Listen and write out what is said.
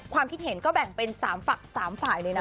คิดเห็นก็แบ่งเป็น๓ฝ่ายเลยนะ